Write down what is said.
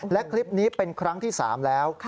และคลิปนี้เป็นครั้งที่๓แล้ว